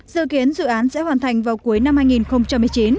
dự kiến dự án sẽ hoàn thành vào cuối năm hai nghìn một mươi chín